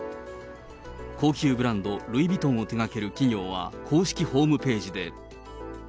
高級ブランド、ルイ・ヴィトンを手がける企業は公式ホームページで。